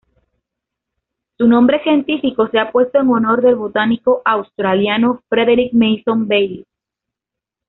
Su nombre científico se ha puesto en honor del botánico australiano Frederick Manson Bailey.